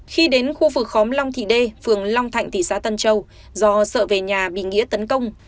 khi đến khu vực khóm long thị đê phường long thạnh thị xã tân châu do sợ về nhà bị nghĩa tấn công